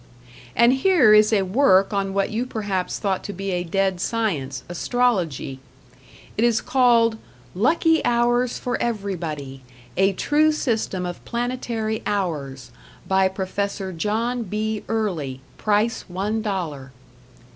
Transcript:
And here is a work on what you perhaps thought to be a dead science, Astrology. It is called "Lucky Hours for Everybody: A True System of Planetary Hours by Prof. John B. Early. Price One Dollar."